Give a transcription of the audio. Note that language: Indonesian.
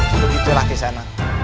begitulah kisah anak